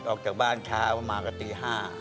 ออกจากบ้านเช้ามาก็ตี๕